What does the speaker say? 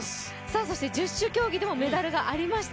十種競技でもメダルがありました。